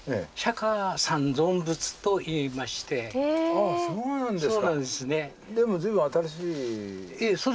あっそうなんですか。